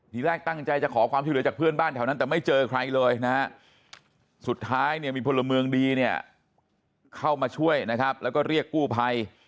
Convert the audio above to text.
ทีแรกตั้งใจจะขอความช่วยเหลือจากเพื่อนบ้านแถวนั้นแต่ไม่เจอใครเลยนะฮะสุดท้ายเนี่ยมีพลเมืองดีเนี่ยเข้ามาช่วยนะครับแล้วก็เรียกกู้ภัย